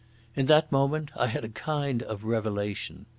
In that moment I had a kind of revelation.